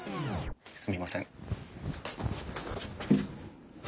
すみません。